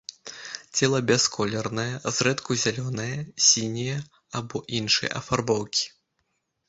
Цела бясколернае, зрэдку зялёнае, сіняе або іншай афарбоўкі.